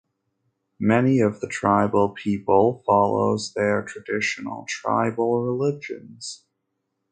Many of the tribal people follows their traditional tribal religions.